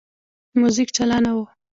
موزیک چالانه وو.